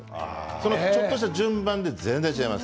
そのちょっとした順番で全然違います。